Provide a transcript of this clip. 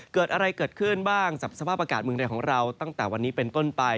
เกิดอะไรเกิดขึ้นบ้างกับสภาพอากาศเมืองไทยของเราตั้งแต่วันนี้เป็นต้นไป